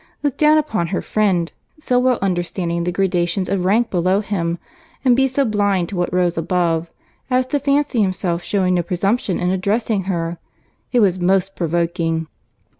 —look down upon her friend, so well understanding the gradations of rank below him, and be so blind to what rose above, as to fancy himself shewing no presumption in addressing her!—It was most provoking.